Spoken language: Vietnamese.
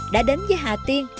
đã đến với hà tiên